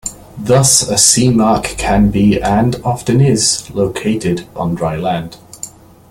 Thus a sea mark can be and often is located on dry land.